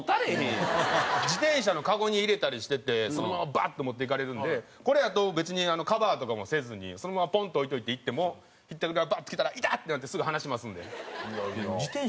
自転車の籠に入れたりしててそのままバッと持っていかれるんでこれやと別にカバーとかもせずにそのままポンと置いといて行ってもひったくりがバッと来たら痛っ！ってなってすぐ離しますんで。